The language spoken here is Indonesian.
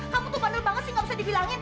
kamu tuh bandel banget sih gak bisa dibilangin